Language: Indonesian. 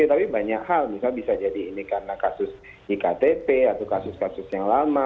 tapi banyak hal misalnya bisa jadi ini karena kasus iktp atau kasus kasus yang lama